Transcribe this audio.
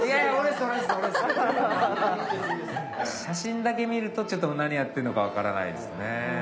写真だけ見るとちょっともう何やってんのかわからないですね。